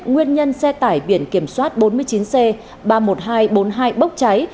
nguyên nhân xe tải biển kiểm soát bốn mươi chín c ba mươi một nghìn hai trăm bốn mươi hai bốc cháy